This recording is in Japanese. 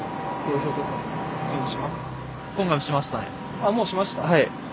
あっもうしました？